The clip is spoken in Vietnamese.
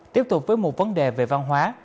tiếp tục với một vấn đề về văn hóa